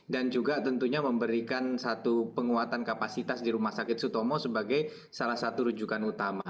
dan juga tentunya memberikan satu penguatan kapasitas di rumah sakit sutomo sebagai salah satu rujukan utama